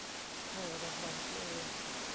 ให้รางวัลตัวเอง